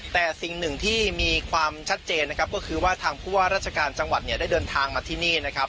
แต่สิ่งหนึ่งที่มีความชัดเจนนะครับก็คือว่าทางผู้ว่าราชการจังหวัดเนี่ยได้เดินทางมาที่นี่นะครับ